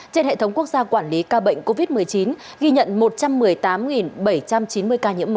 trên hệ thống quốc gia quản lý ca bệnh covid một mươi chín ghi nhận một trăm một mươi tám bảy trăm chín mươi ca nhiễm mới